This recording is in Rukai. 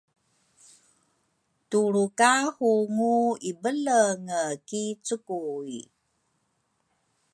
Tulru ka hungu ibelenge ki cukuy